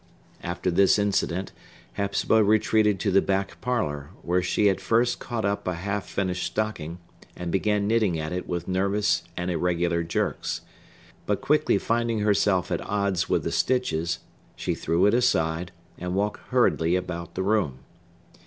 After this incident, Hepzibah retreated to the back parlor, where she at first caught up a half finished stocking, and began knitting at it with nervous and irregular jerks; but quickly finding herself at odds with the stitches, she threw it aside, and walked hurriedly about the room.